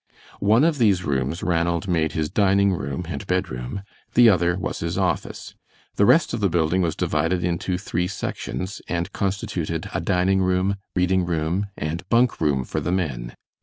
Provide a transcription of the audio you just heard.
One of these rooms Ranald made his dining room and bedroom, the other was his office. The rest of the building was divided into three sections, and constituted a dining room, reading room, and bunk room for the men.